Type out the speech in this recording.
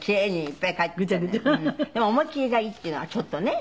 でも思い切りがいいっていうのはちょっとね。